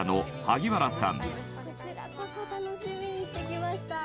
萩原さん：